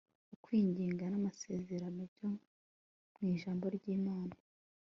Ukwinginga namasezerano byo mu ijambo ryImana